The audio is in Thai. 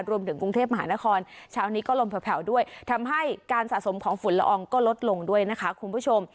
รวมถึงกรุงเทพมหานครเช้านี้ก็ลมแผลวด้วยทำให้การสะสมของฝุ่นละอองก็ลดลงด้วยนะคะคุณผู้ชม